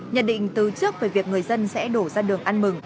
nhận định từ trước về việc người dân sẽ đổ ra đường ăn mừng